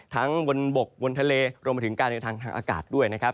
ทั้งวนบกวนทะเลรวมถึงการเนื้อทางอากาศด้วยนะครับ